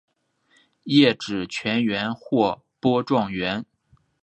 叶纸全缘或波状缘。